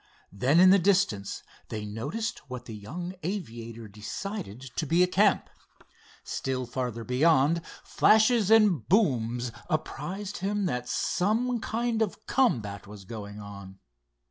Then in the distance they noticed what the young aviator decided to be a camp. Still farther beyond, flashes and booms apprised him that some kind of a combat was going on.